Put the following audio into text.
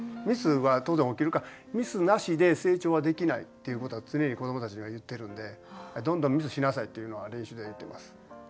ミスは当然起きるからミスなしで成長はできないっていうことは常に子どもたちには言ってるんでどんどんミスしなさいっていうのは練習で言っています。